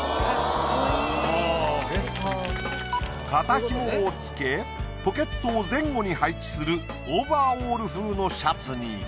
肩ひもをつけポケットを前後に配置するオーバーオール風のシャツに。